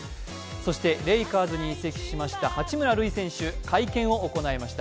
そしてレイカーズに移籍しました八村塁選手、会見を行いました。